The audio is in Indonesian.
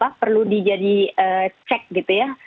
apa perlu dijadi cek gitu ya